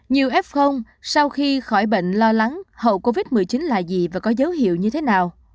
nhiều f sau khi khỏi bệnh lo lắng hậu covid một mươi chín là gì và có dấu hiệu như thế nào